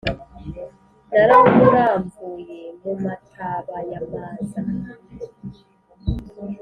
nawuramvuye mu mataba ya maza,